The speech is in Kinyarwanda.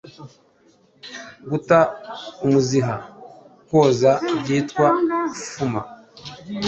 Guta umuziha kwazo byitwa Gufuma